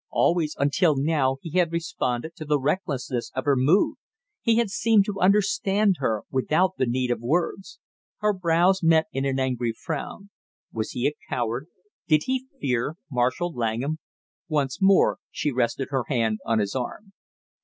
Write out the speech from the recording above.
Always until now he had responded to the recklessness of her mood, he had seemed to understand her without the need of words. Her brows met in an angry frown. Was he a coward? Did he fear Marshall Langham? Once more she rested her hand on his arm.